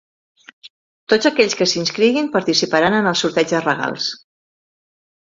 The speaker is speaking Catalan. Tots aquells que s’inscriguin participaran en el sorteig de regals.